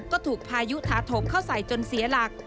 ก็ถูกพายุท้าถมเข้าใส่จนเสียหลัก